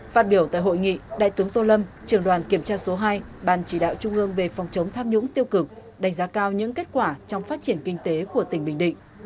phát biểu tại hội nghị đại tướng tô lâm trường đoàn kiểm tra số hai ban chỉ đạo trung ương về phòng chống tham nhũng tiêu cực đánh giá cao những kết quả trong phát triển kinh tế của tỉnh bình định